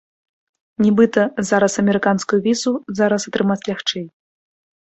Нібыта, зараз амерыканскую візу зараз атрымаць лягчэй.